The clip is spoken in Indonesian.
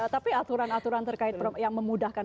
tapi aturan aturan terkait yang memudahkan